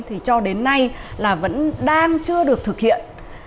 thì cho đến nay là vẫn đang chưa được thực hiện